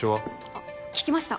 あっ聞きました